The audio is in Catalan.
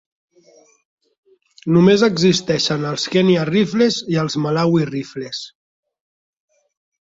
Només existeixen els Kenya Rifles i els Malawi Rifles.